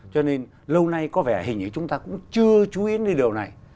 cho nên lâu nay hình như chúng ta cũng chưa chú ý đến điều này